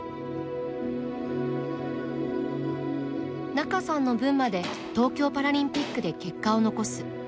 仲さんの分まで東京パラリンピックで結果を残す。